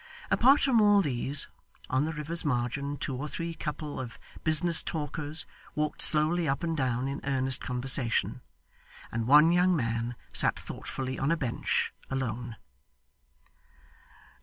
Apart from all these, on the river's margin two or three couple of business talkers walked slowly up and down in earnest conversation; and one young man sat thoughtfully on a bench, alone.